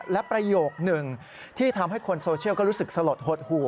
และประโยคหนึ่งที่ทำให้คนโซเชียลก็รู้สึกสลดหดหู่